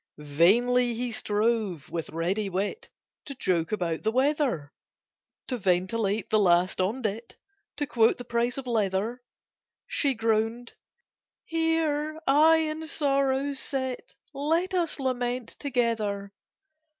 Vainly he strove, with ready wit, To joke about the weather— To ventilate the last 'on dit'— To quote the price of leather— She groaned "Here I and Sorrow sit: Let us lament together!"